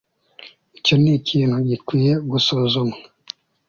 Icyo nikintu gikwiye gusuzumwa